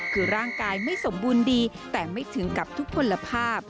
คือร่างกายไม่สมบูรณ์ดีแต่ไม่ถึงกับทุกคนภาพ